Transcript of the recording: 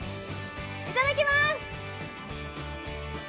いただきます！